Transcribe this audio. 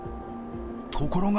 ところが